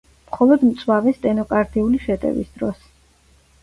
მხოლოდ მწვავე სტენოკარდიული შეტევის დროს.